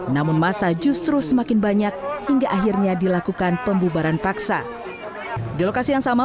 namun masa justru semakin banyak hingga akhirnya dilakukan pembubaran paksa di lokasi yang sama